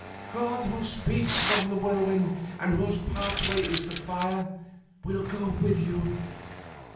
God, who speaks from the whirlwind, and whose pathway is the fire, will go with you.